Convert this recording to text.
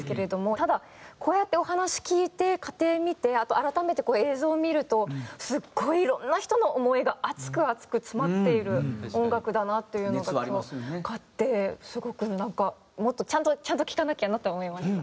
ただこうやってお話聞いて過程見てあと改めてこう映像見るとすっごいいろんな人の思いが熱く熱く詰まっている音楽だなというのが今日わかってすごくなんかもっとちゃんと聴かなきゃなと思いました。